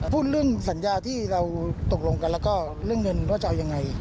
พูดเรื่องสัญญาที่เราตกลงกันแล้วก็เรื่องเงินว่าจะเอายังไง